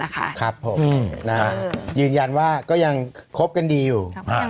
ครับผมยืนยันว่าก็ยังคบกันดีอยู่